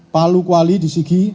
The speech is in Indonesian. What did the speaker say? palu kuali di sigi